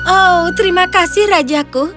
oh terima kasih rajaku